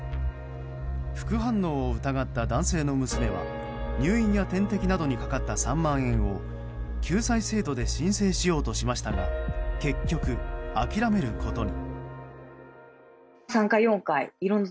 副反応を疑った男性の娘は入院や点滴などにかかった３万円を救済制度で申請しようとしましたが結局、諦めることに。